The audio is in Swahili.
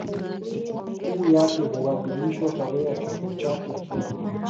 Sikukuu yake huadhimishwa tarehe ya kifo chake kila mwaka.